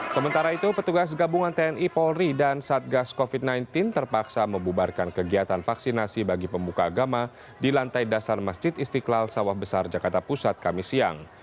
sementara itu petugas gabungan tni polri dan satgas covid sembilan belas terpaksa membubarkan kegiatan vaksinasi bagi pembuka agama di lantai dasar masjid istiqlal sawah besar jakarta pusat kamis siang